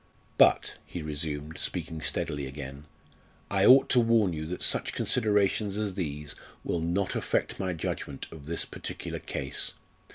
"But," he resumed, speaking steadily again, "I ought to warn you that such considerations as these will not affect my judgment of this particular case.